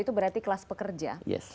itu berarti kelas pekerja